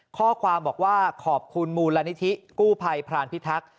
ข้อความบอกว่าขอบคุณมูลนิธิกู้ภัยพรานพิทักษ์